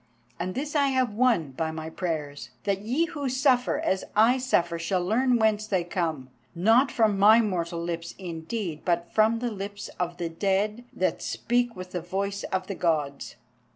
And this I have won by my prayers, that ye who suffer as I suffer shall learn whence they come, not from my mortal lips, indeed, but from the lips of the dead that speak with the voice of the Gods."